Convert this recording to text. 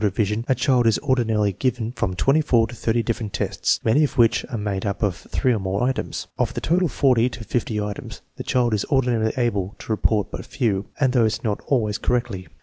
RELIABILITY OP THE METHOD ill with, the Stanford revision a child is ordinarily given from twenty four to thirty different tests, many of which are made up of three or more items. Of the total forty to fifty items the child is ordinarily able to report but few, and these not always correctly.